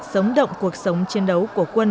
sống động cuộc sống chiến đấu của quân